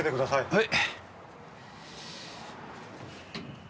はい。